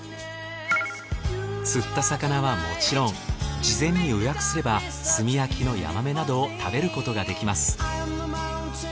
釣った魚はもちろん事前に予約すれば炭焼きのヤマメなどを食べることができます。